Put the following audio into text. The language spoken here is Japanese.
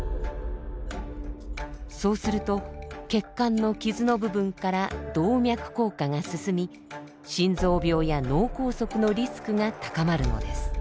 そうすると血管の傷の部分から動脈硬化が進み心臓病や脳梗塞のリスクが高まるのです。